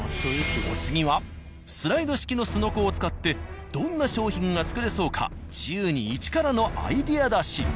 お次はスライド式のすのこを使ってどんな商品が作れそうか自由に一からのアイデア出し。